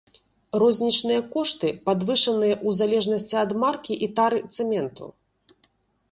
Рознічныя кошты падвышаныя ў залежнасці ад маркі і тары цэменту.